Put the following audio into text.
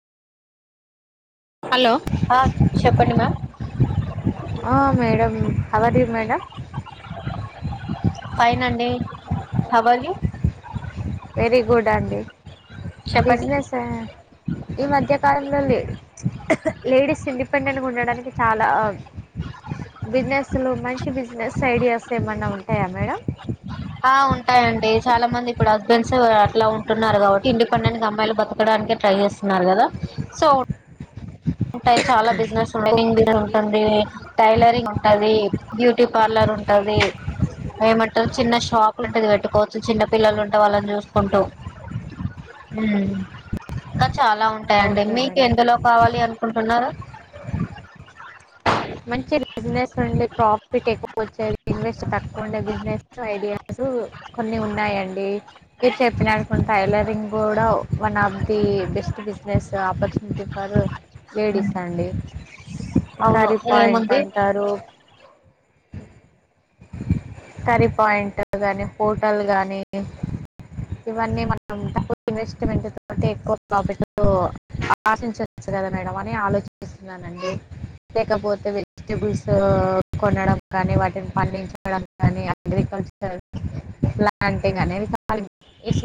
Hello ఆ చెప్పండి మా ఆ మేడం [unintelligible] మేడం ఏనండి కావాలి వెరీ గుడ్ అండి చెప్పండి బిజినెస్ ఈ మధ్యకాలంలో లే లేడీస్ ఇండిపెండెంట్గా ఉండడానికి చాలా బిజినెస్ లు మంచి బిజినెస్ ఐడియాస్ ఏమైన ఉంటాయా మేడం ఆ ఉంటాయండి చాలా మంది ఇప్పుడు హస్బెండ్స్ అట్లా ఉంటున్నారు కాబట్టి ఇండిపెండెట్ అమ్మాయిలు బతకడానికి ట్రై చేస్తారు న్నారు కదా సో ఉంటాయి చాలా బిజినెస్ ఉన్నాయి ఉంటుంది టైలరింగ్ ఉంటది బ్యూటీ పార్లర్ ఉంటది ఏమంటారు. చిన్న షాప్లు ఉంటది పెట్టుకోవచ్చు చిన్న పిల్లలు ఉంటా వాళ్ళని చూసుకుంటూ ఇంకా హు చాలా ఉన్నాయి అండి ఓకే మీకు మేడం ఎందులో కావాలి అ ఉంటున్నారు మంచి బిజినెస్ నుండి ప్రాఫిట్ ఎక్కువ వచ్చేది ఇన్వెస్ట్ తక్కువ ఉండే బిజినెస్ ఐడియాస్ కొన్ని ఉన్నాయండి మీరు చెప్పిన టైలరింగ్ కూడా one of the best business opportunity for um. Ladies అవును అండి పాయింట్ ఏముంది అంటారు కర్రీ పాయింట్ గాని హోటల్ గానీ ఇవన్నీ మన ఇన్వెస్ట్మెంట్ తోటి ఎక్కువ ప్రాఫిట్ ఆశించవచ్చు కదా మేడం అని ఆలోచిస్తున్నానండి లేకపోతే వెజిటబుల్స్ కొనడం కానీ వాటిని పండించడం కానీ అగ్రికల్చర్ ప్లాంటింగ్ అనేవి చ